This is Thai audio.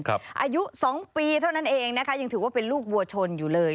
อายุ๒ปีเท่านั้นเองนะคะยังถือว่าเป็นลูกวัวชนอยู่เลย